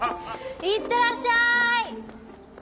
いってらっしゃい。